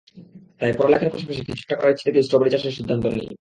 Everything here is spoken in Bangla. তাই পড়ালেখার পাশাপাশি কিছু একটা করার ইচ্ছে থেকেই স্ট্রবেরি চাষের সিদ্ধান্ত নিই।